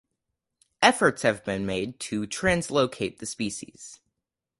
Efforts have been made to translocate the species.